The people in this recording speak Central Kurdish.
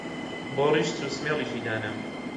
بۆ ڕیش چوو سمێڵیشی دانا